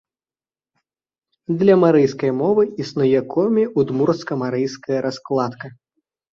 Для марыйскай мовы існуе комі-удмурцко-марыйская раскладка.